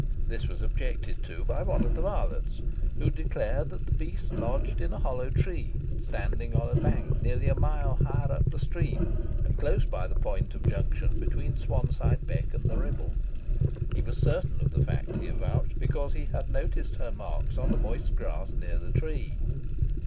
This was objected to by one of the varlets, who declared that the beast lodged in a hollow tree, standing on a bank nearly a mile higher up the stream, and close by the point of junction between Swanside Beck and the Ribble. He was certain of the fact, he avouched, because he had noticed her marks on the moist grass near the tree.